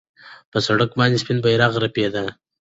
پر سړک باندې سپین بیرغ رپېده.